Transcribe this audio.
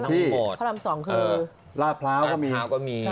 พระราม๒คือลาดพร้าวก็มี